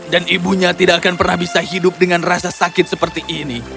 ibunya tidak akan pernah bisa hidup dengan rasa sakit seperti ini